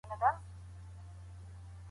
د ښوونکې مېرمني عايد ولي د هغې خپل حق دی؟